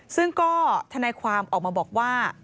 ซึ่งก็ธนายความออกมาบอกว่า